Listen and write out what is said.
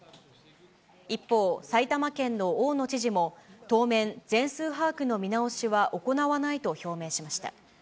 一方、埼玉県の大野知事も、当面、全数把握の見直しは行わないと表明しました。